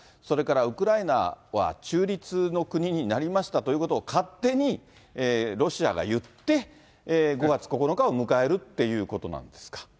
それからウクライナは中立の国になりましたということを、勝手にロシアが言って、５月９日を迎えるっていうことなんですか。